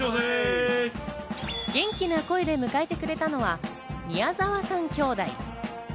元気な声で迎えてくれたのは宮澤さん兄弟。